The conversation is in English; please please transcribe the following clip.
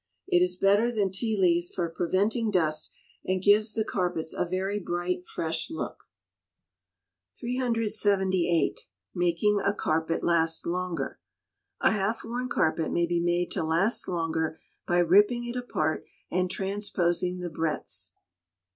It is better than tea leaves for preventing dust, and gives the carpets a very bright, fresh look. 378. Making a Carpet Last Longer. A half worn carpet may be made to last longer by ripping it apart, and transposing the breadths.